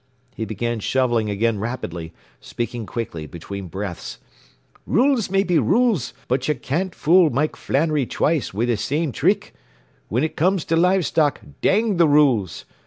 ” He began shoveling again rapidly, speaking quickly between breaths. “Rules may be rules, but you can't fool Mike Flannery twice wid the same thrick whin ut comes to live stock, dang the rules.